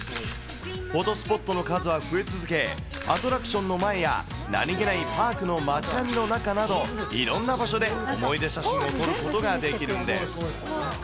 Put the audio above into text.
フォトスポットの数は増え続け、アトラクションの前や、何気ないパークの街並みの中など、いろんな場所で思い出写真を撮ることができるんです。